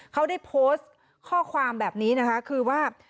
เขาได้โพสต์ข้อความแบบนี้นะคะคือว่า